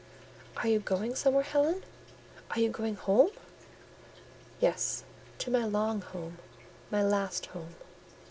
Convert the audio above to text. "Are you going somewhere, Helen? Are you going home?" "Yes; to my long home—my last home."